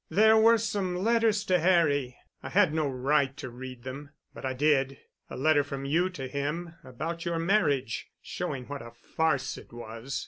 "There were some letters to Harry. I had no right to read them. But I did. A letter from you to him—about your marriage—showing what a farce it was.